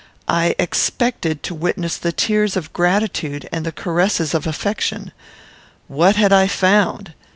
I expected to witness the tears of gratitude and the caresses of affection. What had I found?